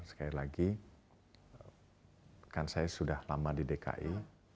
sekali lagi kan saya sudah lama di dki